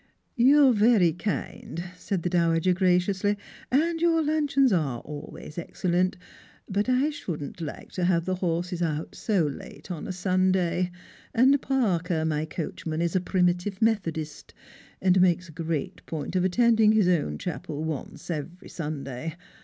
" You're very kind," said the dowager graciously, " and your luncheons are always excellent ; but I shouldn't like to have the horses out so late on a Sunday, and Parker, my coachman, is a Primitive Methodist, and makes a great point of attending his own chapel once every Sunday.